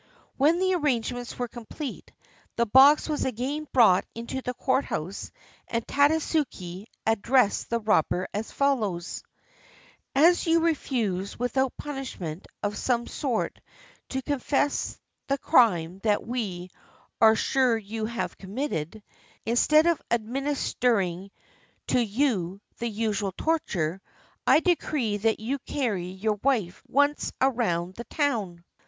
When the arrangements were complete, the box was again brought into the courthouse and Tadasuke ad dressed the robber as follows: — "As you refuse without punishment of some sort to confess the crime that we are sure you have committed, instead of administering to you the usual torture, I decree that you carry your wife once aroimd the town."